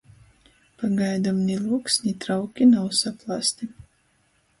Pagaidom ni lūgs, ni trauki nav saplāsti.